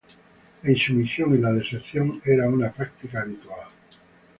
La insumisión y la deserción era una práctica común.